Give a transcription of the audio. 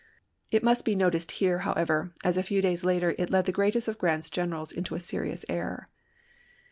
It must be noticed here, however, as a few days later it led the greatest of Grant's generals into a serious error.